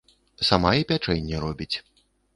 Сама і пячэнне робіць.